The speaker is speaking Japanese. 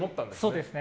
そうです。